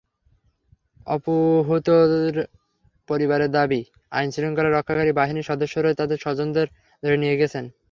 অপহূতদের পরিবারের দাবি, আইনশৃঙ্খলা রক্ষাকারী বাহিনীর সদস্যরাই তাঁদের স্বজনদের ধরে নিয়ে গেছেন।